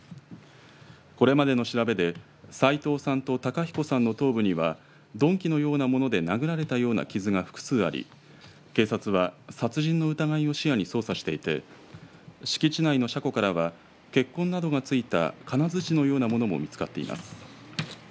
これまでの調べで齋藤さんと孝彦さんの頭部には鈍器のようなもので殴られたような傷が複数あり警察は殺人の疑いを視野に捜査をしていて敷地内の車庫からは血痕などが付いた金づちのようなものも見付かっています。